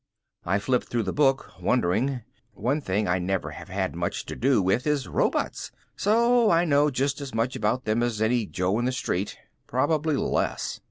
I flipped through the book, wondering. One thing I never have had much to do with is robots, so I know just as much about them as any Joe in the street. Probably less.